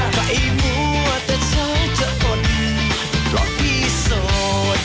ใครรู้ว่าแต่เธอจะอ่อนอยู่เพราะพี่โสด